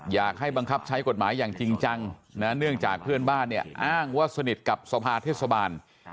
อยากให้บังคับใช้กฎหมายอย่างจริงจังนะเนื่องจากเพื่อนบ้านเนี่ยอ้างว่าสนิทกับสภาเทศบาล